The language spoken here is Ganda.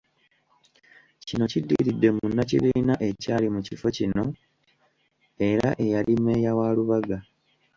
Kino kiddiridde munnakibiina ekyali mu kifo kino era eyali mmeeya wa Lubaga.